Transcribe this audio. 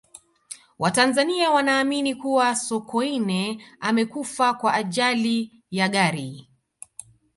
watanzania wanaamini kuwa sokoine amekufa kwa ajali ya gari